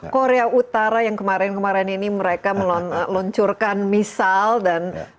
korea utara yang kemarin kemarin ini mereka meluncurkan misal dan